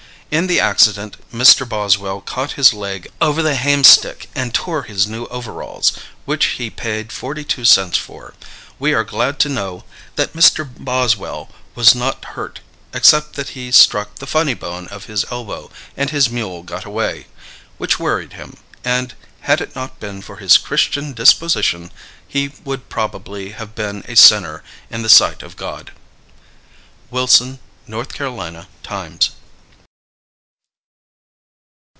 In the accident Mr. Boswell caught his leg over the hamestick and tore his new overalls, which he paid forty two cents for. We are glad to know that Mr. Boswell was not hurt except that he struck the funny bone of his elbow and his mule got away, which worried him, and had it not been for his Christian disposition he would probably have been a sinner in the sight of God. _Wilson (North Carolina) Times.